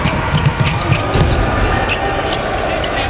สวัสดีครับทุกคน